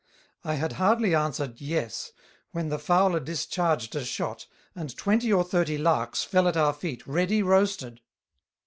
I had hardly answered, Yes, when the Fowler discharged a Shot, and Twenty or Thirty Larks fell at our Feet ready Roasted.